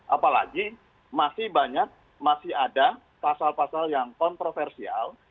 apalagi masih banyak masih ada pasal pasal yang kontroversial